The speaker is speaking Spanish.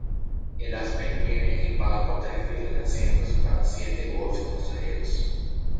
El Aspen viene equipado con tres filas de asientos para siete u ocho pasajeros.